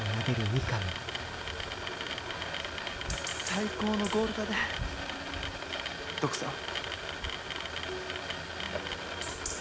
最高のゴールだでトクさん。